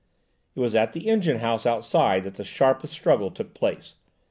It was at the engine house outside that the sharpest struggle took place.